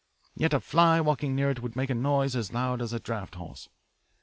Yet a fly walking near it will make a noise as loud as a draft horse.